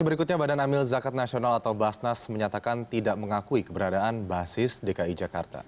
berikutnya badan amil zakat nasional atau basnas menyatakan tidak mengakui keberadaan basis dki jakarta